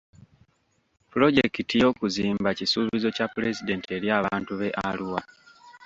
Pulojekiti y'okuzimba kisuubizo kya pulezidenti eri abantu b'e Arua.